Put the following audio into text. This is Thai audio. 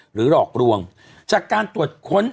หรือหรอกลวงจากการตรวจค้น